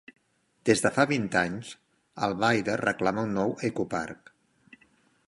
Des de fa vint anys, Albaida reclama un nou ecoparc.